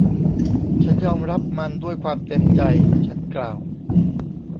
ฉันยอมรับมันด้วยความเต็มใจ ฉันกล่าว